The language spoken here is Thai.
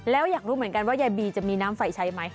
แล้วอยากรู้เหมือนกันว่ายายบีจะมีน้ำไฟใช้ไหม